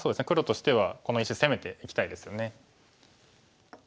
黒としてはこの石攻めていきたいですよね。